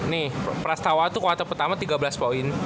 nih prastawa tuh quarter pertama tiga belas point